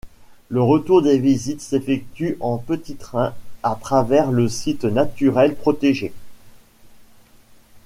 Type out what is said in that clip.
Le retour des visites s'effectue en petit train à travers le site naturel protégé.